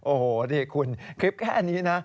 โอ้โหนี่คุณคลิปแค่นี้นะ